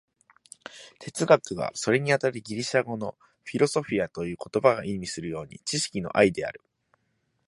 哲学は、それにあたるギリシア語の「フィロソフィア」という言葉が意味するように、知識の愛である。